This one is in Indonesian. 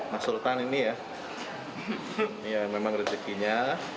mas sultan ini ya ini yang memang rezekinya